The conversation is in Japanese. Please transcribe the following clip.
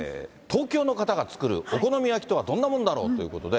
東京の方が作るお好み焼きとはどんなものだろうということで。